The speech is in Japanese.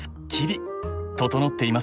整っていますよね。